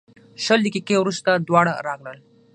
شل دقیقې وروسته دواړه راغلل.